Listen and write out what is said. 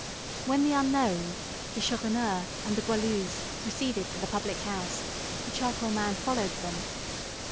When the unknown, the Chourineur, and the Goualeuse proceeded to the public house, the charcoal man followed them.